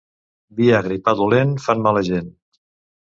Vi agre i pa dolent fan mala gent.